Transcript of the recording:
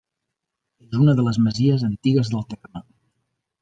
És una de les masies antigues del terme.